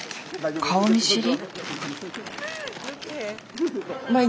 顔見知り？